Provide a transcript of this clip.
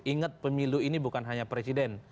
ingat pemilu ini bukan hanya presiden